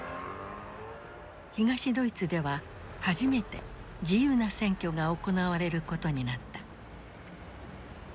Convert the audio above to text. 東ドイツでは初めて自由な選挙が行われることになった。